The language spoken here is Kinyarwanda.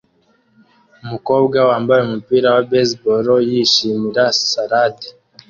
Umukobwa wambaye umupira wa baseball yishimira salade